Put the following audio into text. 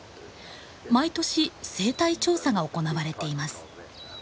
毎年生態調査が行われています。